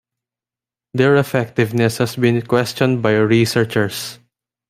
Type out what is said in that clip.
Their effectiveness has been questioned by researchers.